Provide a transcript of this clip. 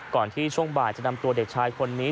ก่อนที่ช่วงบ่ายจะนำตัวเด็กชายคนนี้